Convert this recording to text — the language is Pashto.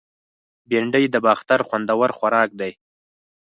بېنډۍ د باختر خوندور خوراک دی